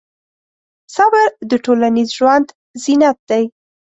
صبر د ټولنیز ژوند زینت دی.